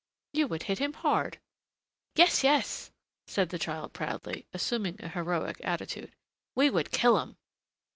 You would hit him hard!" "Yes, yes," said the child, proudly, assuming a heroic attitude, "we would kill 'em."